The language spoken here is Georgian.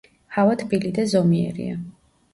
ჰავა თბილი და ზომიერია.